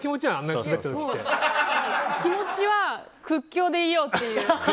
気持ちは屈強でいようっていう。